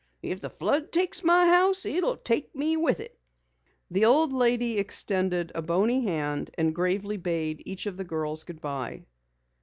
If the flood takes my house it'll take me with it!" The old lady extended a bony hand and gravely bade each of the girls goodbye.